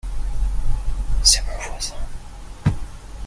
C'est mon voisin.